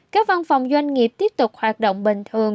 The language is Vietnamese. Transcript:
các văn phòng doanh nghiệp tiếp tục hoạt động bình thường